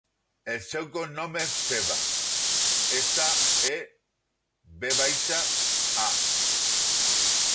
El seu cognom és Seva: essa, e, ve baixa, a.